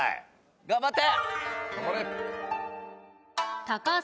頑張って！